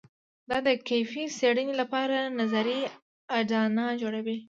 دا د کیفي څېړنې لپاره نظري اډانه جوړوي.